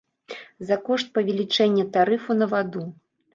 За кошт павелічэння тарыфу на ваду.